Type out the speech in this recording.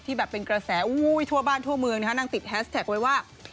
แบบเป็นกระแสอุ้ยทั่วบ้านทั่วเมืองนะฮะนั่งติดแฮสแท็กไว้ว่า